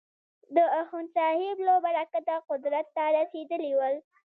د اخوندصاحب له برکته قدرت ته رسېدلي ول.